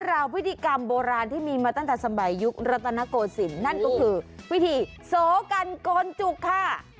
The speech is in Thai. ราวพิธีกรรมโบราณที่มีมาตั้งแต่สมัยยุครัตนโกศิลปนั่นก็คือพิธีโสกันโกนจุกค่ะ